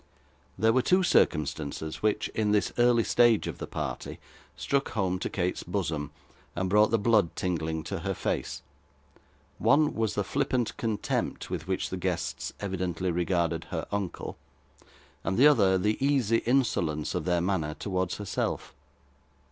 There were two circumstances which, in this early stage of the party, struck home to Kate's bosom, and brought the blood tingling to her face. One was the flippant contempt with which the guests evidently regarded her uncle, and the other, the easy insolence of their manner towards herself.